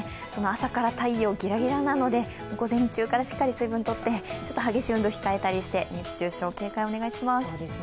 朝から太陽ギラギラなので午前中からしっかり水分取って激しい運動控えたりして熱中症警戒お願いします。